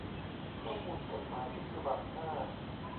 ข้อมูลกฎหมายทุกฉบับ ห้า